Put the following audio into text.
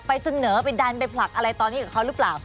ไปเสนอไปดันไปผลักอะไรตอนนี้กับเขาหรือเปล่า